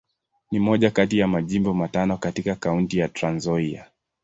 Ni moja kati ya Majimbo matano katika Kaunti ya Trans-Nzoia.